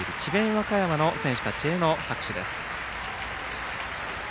和歌山の選手たちへの拍手です。